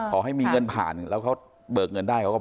ขอให้มีเงินผ่านแล้วเขาเบิกเงินได้เขาก็